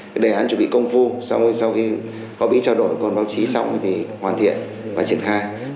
cái đề án chuẩn bị công phu xong rồi sau khi có bị trao đổi còn báo chí xong thì hoàn thiện và triển khai